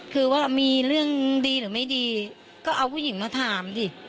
คือว่ามีเรื่องดีหรือไม่ดีก็เอาผู้หญิงมาถามดิ